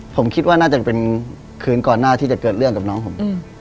ผมคิดว่าน่าจะเป็นคืนก่อนหน้าที่จะเกิดเรื่องกับน้องผม